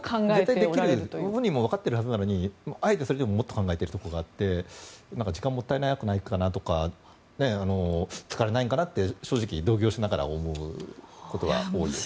絶対できる本人もわかっているはずなのにあえて考えている時があって時間がもったいなくないかなとか疲れないのかなって正直、同情しながら思うことがあります。